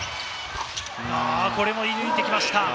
これも、いぬいてきました。